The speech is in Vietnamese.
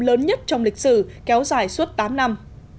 lớn nhất trong lịch sử kéo dài suốt tám năm